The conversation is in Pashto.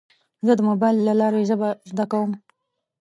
زه د موبایل له لارې ژبه زده کوم.